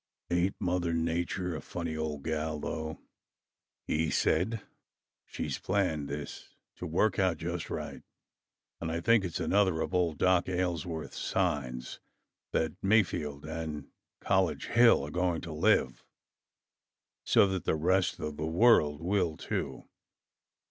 "Ain't Mother Nature a funny old gal, though?" he said. "She's planned this to work out just right, and I think it's another of old Doc Aylesworth's signs that Mayfield and College Hill are going to live, so that the rest of the world will, too.